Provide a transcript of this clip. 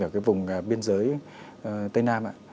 ở cái vùng biên giới tây nam